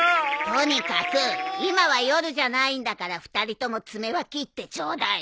とにかく今は夜じゃないんだから２人とも爪は切ってちょうだい。